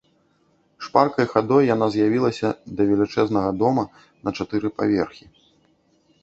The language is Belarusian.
Шпаркай хадой яна з'явілася да велічэзнага дома на чатыры паверхі.